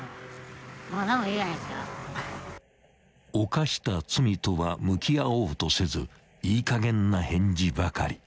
［犯した罪とは向き合おうとせずいいかげんな返事ばかり。